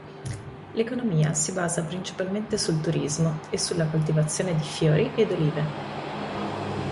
L'economia si basa principalmente sul turismo e sulla coltivazione di fiori ed olive.